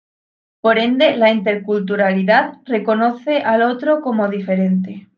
Por ende, la interculturalidad reconoce al otro como diferente.